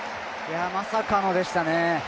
まさかのでしたね。